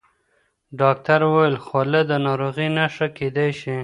ډاکټر وویل خوله د ناروغۍ نښه کېدای شي.